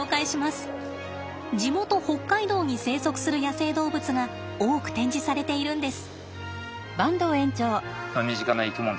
地元北海道に生息する野生動物が多く展示されているんです。